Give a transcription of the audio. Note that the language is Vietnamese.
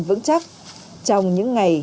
vững chắc trong những ngày